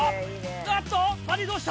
あっとバディどうした？